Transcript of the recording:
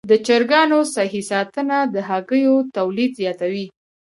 د چرګانو صحي ساتنه د هګیو تولید زیاتوي.